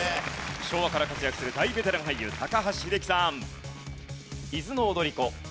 昭和から活躍する大ベテラン俳優高橋英樹さん。